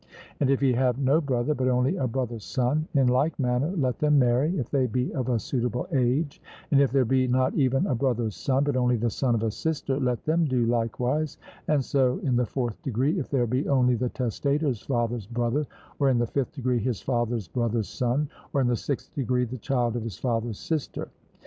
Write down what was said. And if he have no brother, but only a brother's son, in like manner let them marry, if they be of a suitable age; and if there be not even a brother's son, but only the son of a sister, let them do likewise, and so in the fourth degree, if there be only the testator's father's brother, or in the fifth degree, his father's brother's son, or in the sixth degree, the child of his father's sister.